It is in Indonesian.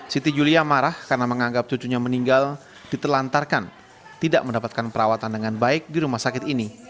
siti julia marah karena menganggap cucunya meninggal ditelantarkan tidak mendapatkan perawatan dengan baik di rumah sakit ini